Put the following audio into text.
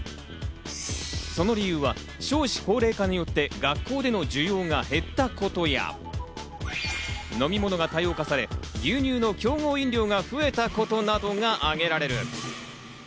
その理由は、少子高齢化によって学校での需要が減ったことや、飲み物が多様化され、牛乳の競合飲料が増えたことなどが挙げられる。